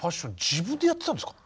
自分でやってたんですか？